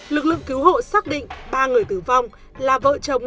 lực lượng cứu hộ xác định ba người tử vong là vợ chồng